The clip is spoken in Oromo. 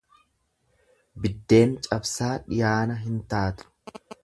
Biddeen cabsaa dhiyaana hin taatu.